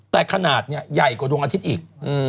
แต่ขนาดเนี่ยใหญ่กว่าดวงอาทิตย์อีก